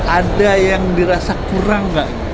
ada yang dirasa kurang nggak